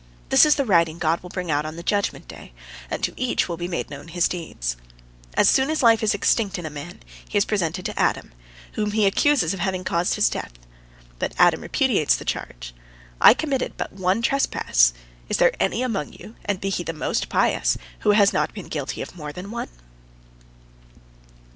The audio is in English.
This is the writing God will bring out on the judgment day, and to each will be made known his deeds. As soon as life is extinct in a man, he is presented to Adam, whom he accuses of having caused his death. But Adam repudiates the charge: "I committed but one trespass. Is there any among you, and be he the most pious, who has not been guilty of more than one?"